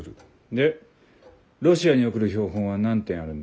でロシアに送る標本は何点あるんだ？